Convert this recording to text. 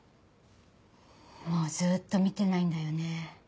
もうずっと見てないんだよね